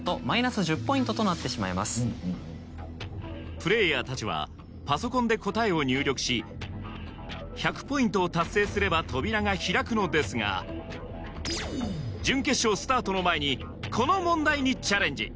プレーヤーたちはパソコンで答えを入力し１００ポイントを達成すれば扉が開くのですが準決勝スタートの前にこの問題にチャレンジ